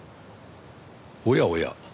おやおや。